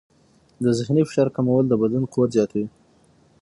د ذهني فشار کمول د بدن قوت زیاتوي.